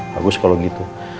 bagus kalau gitu